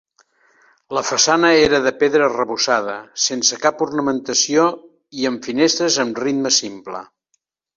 La façana era de pedra arrebossada sense cap ornamentació i amb finestres amb ritme simple.